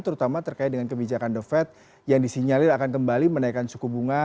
terutama terkait dengan kebijakan the fed yang disinyalir akan kembali menaikkan suku bunga